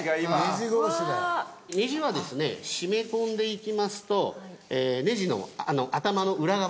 ネジはですね締め込んでいきますとネジの頭の裏側ですね